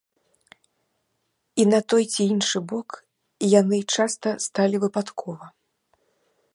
І на той ці іншы бок яны часта сталі выпадкова.